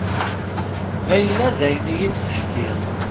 Ma yella d ayen iyi-d-teḥkiḍ.